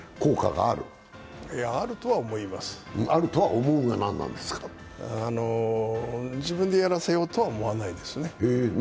あるとは思います、自分でやらせようとは思わないですね。